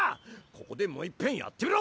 ここでもういっぺんやってみろ！